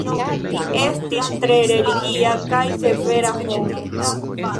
Li estis tre religia kaj severa homo.